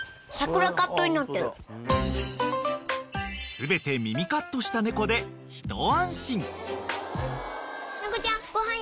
［全て耳カットした猫で一安心］